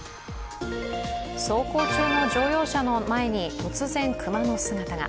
走行中の乗用車の前に突然、熊の姿が。